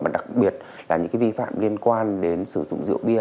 và đặc biệt là những cái vi phạm liên quan đến sử dụng rượu bia